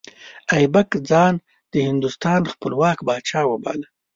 ایبک ځان د هندوستان خپلواک پاچا وباله.